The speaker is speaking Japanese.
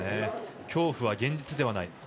恐怖は現実ではない。